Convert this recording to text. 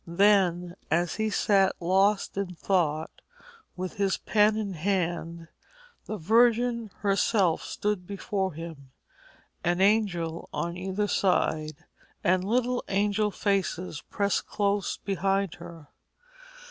Then, as he sat lost in thought, with his pen in his hand, the Virgin herself stood before him, an angel on either side, and little angel faces pressed close behind her.